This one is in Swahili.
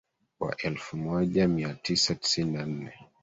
Wa elfu moja mia tisa tisini na nne